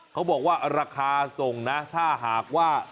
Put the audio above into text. เขาบอกว่าราคาส่งนะถ้าหากว่า